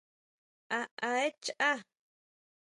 ¿A aé chaá?